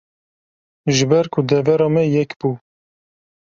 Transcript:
ji ber ku devera me yek bû